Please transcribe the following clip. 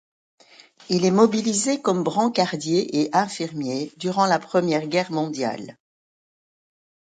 Il est mobilisé comme brancardier et infirmier durant la Première Guerre mondiale.